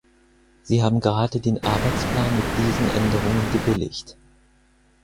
Sie haben gerade den Arbeitsplan mit diesen Änderungen gebilligt.